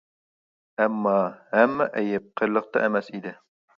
ئەمما ھەممە ئەيىب قېرىلىقتا ئەمەس ئىدى.